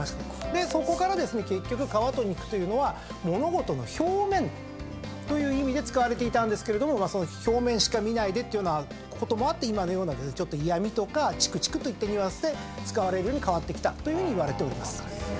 そこからですね結局皮と肉というのは物事の表面という意味で使われていたんですけれども表面しか見ないでっていうようなこともあって今のようなちょっと嫌みとかちくちくといったニュアンスで使われるように変わってきたというふうにいわれております。